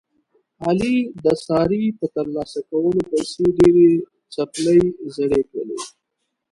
علي د سارې په ترلاسه کولو پسې ډېرې څپلۍ زړې کړلې.